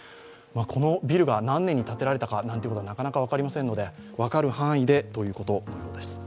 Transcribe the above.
このビルが何年に建てられたなんてことはなかなか分かりませんので、分かる範囲でということのようです。